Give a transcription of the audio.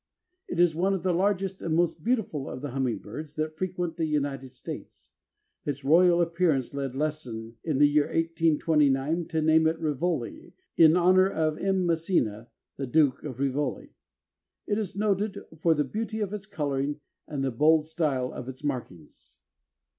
It is one of the largest and most beautiful of the hummingbirds that frequent the United States. Its royal appearance led Lesson, in the year 1829, to name it Rivoli, in honor of M. Massena, the Duke of Rivoli. It is noted "for the beauty of its coloring and the bold style of its markings."